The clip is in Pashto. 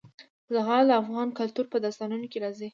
زغال د افغان کلتور په داستانونو کې راځي.